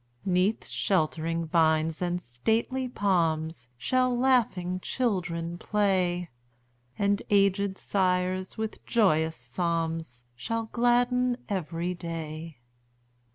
'Neath sheltering vines and stately palms Shall laughing children play, And aged sires with joyous psalms Shall gladden every day.